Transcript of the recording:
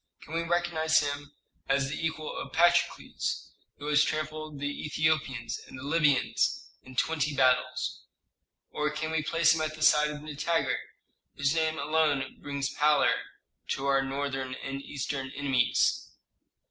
Can we recognize him as the equal of Patrokles, who has trampled the Ethiopians and the Libyans in twenty battles? Or can we place him at the side of Nitager, whose name alone brings pallor to our northern and eastern enemies?"